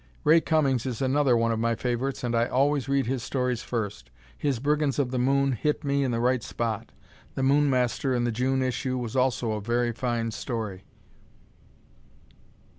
Ray Cummings is another one of my favorites and I always read his stories first. His "Brigands of the Moon" hit me in the right spot. "The Moon Master" in the June issue was also a very fine story.